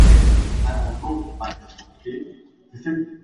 mita hadi kutoka kwa yule aliyeathirika